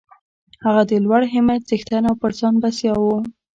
هغه د لوړ همت څښتن او پر ځان بسیا و